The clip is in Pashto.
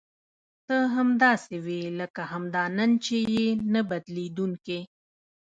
ته همداسې وې لکه همدا نن چې یې نه بدلېدونکې.